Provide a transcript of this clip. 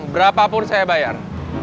berapa pun saya bayar